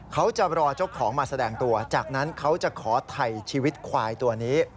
เขาจะรอเจ้าของมาแสดงตัวจากนั้นเขาจะขอถ่ายชีวิตควายตัวนี้